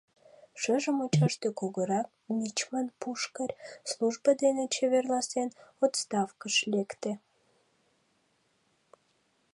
Шыже мучаште кугурак мичман Пушкарь, службо дене чеверласен, отставкыш лекте.